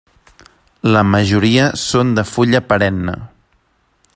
La majoria són de fulla perenne.